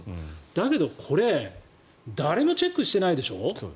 だけど、これ誰もチェックしてないでしょ？